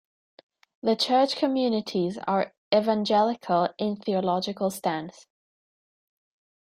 The church communities are evangelical in theological stance.